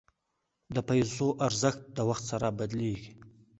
د پیسو ارزښت د وخت سره بدلیږي.